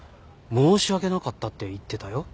申し訳なかったって言ってたよ。